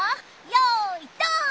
よいどん！